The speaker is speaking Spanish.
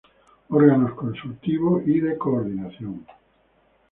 Órgano consultivo y de coordinación.